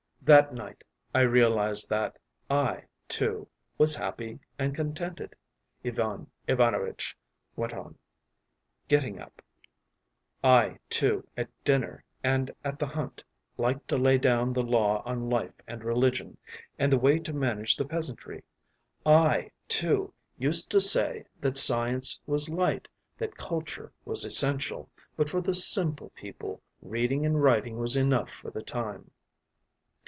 “That night I realized that I, too, was happy and contented,” Ivan Ivanovitch went on, getting up. “I, too, at dinner and at the hunt liked to lay down the law on life and religion, and the way to manage the peasantry. I, too, used to say that science was light, that culture was essential, but for the simple people reading and writing was enough for the time.